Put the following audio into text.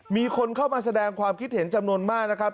มีคนเข้ามาแสดงความคิดเห็นจำนวนมากนะครับ